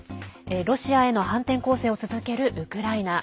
ロシアへの反転攻勢を続けるウクライナ。